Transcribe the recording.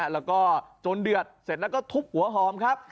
แล้วก็จนเดือดเสร็จแล้วก็ทุบหัวหอมครับ